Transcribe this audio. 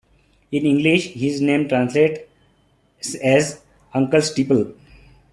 In English, his name translates as Uncle Steeple.